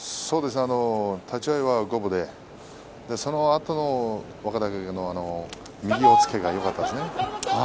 立ち合いは五分でそのあと若隆景の右押っつけがよかったですね。